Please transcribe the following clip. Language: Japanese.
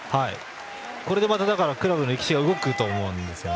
これでクラブの歴史が動くと思うんですよね。